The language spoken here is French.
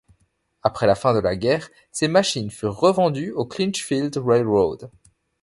Après la fin de la guerre ces machines furent revendues au Clinchfield Railroad.